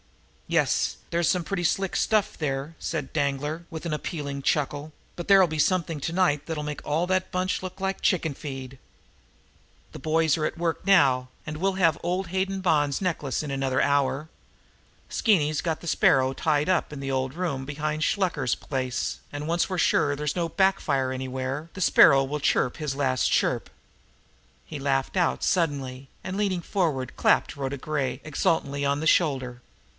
"Yes, there's some pretty slick stuff there," said Danglar, with an appraising chuckle; "but there'll be something to night that'll make all that bunch look like chicken feed. The boys are at work now, and we'll have old Hayden Bond's necklace in another hour. Skeeny's got the Sparrow tied up in the old room behind Shluker's place, and once we're sure there's no back fire anywhere, the Sparrow will chirp his last chirp." He laughed out suddenly, and, leaning forward, clapped Rhoda Gray exultantly on the shoulder.